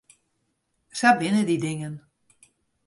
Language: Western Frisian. Sa binne dy dingen.